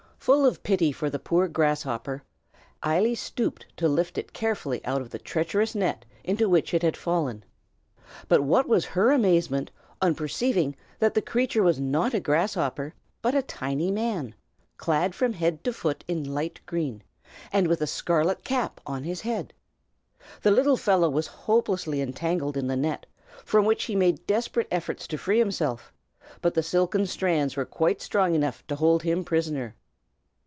Full of pity for the poor grasshopper, Eily stooped to lift it carefully out of the treacherous net into which it had fallen. But what was her amazement on perceiving that the creature was not a grasshopper, but a tiny man, clad from head to foot in light green, and with a scarlet cap on his head. The little fellow was hopelessly entangled in the net, from which he made desperate efforts to free himself, but the silken strands were quite strong enough to hold him prisoner.